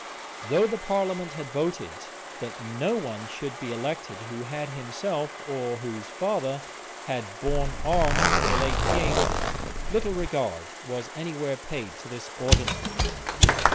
Though the parliament had voted, that no one should be elected who had himself, or whose father, had borne arms for the late king, little regard was any where paid to this ordinance.